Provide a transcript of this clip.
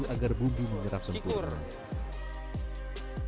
agar bubu menyerap sempurna